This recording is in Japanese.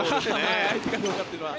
相手がどうかというのは。